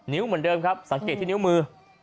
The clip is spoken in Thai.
เหมือนเดิมครับสังเกตที่นิ้วมือ